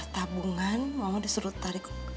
tabungan mama disuruh tarik